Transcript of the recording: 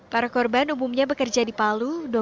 para korban umumnya bekerja di palu